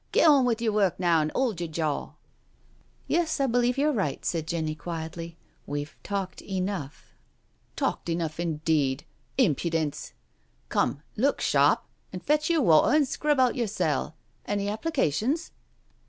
Get on with yer work now, and 'old yer jaw." " Yes, I believe you're right," said Jenny quietly, " we've talked enough." "Talked enough, indeed— Impudence I Come, look sharp and fetch yer water and scrub out yer cell — any applications?"